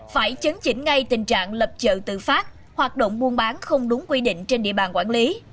phải chấn chỉnh ngay tình trạng lập chợ tự phát hoạt động buôn bán không đúng quy định trên địa bàn quản lý